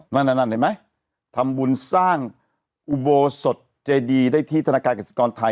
นั่นนั่นเห็นไหมทำบุญสร้างอุโบสถเจดีได้ที่ธนาคารกษกรไทย